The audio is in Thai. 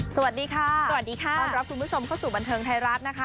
สวัสดีค่ะสวัสดีค่ะต้อนรับคุณผู้ชมเข้าสู่บันเทิงไทยรัฐนะคะ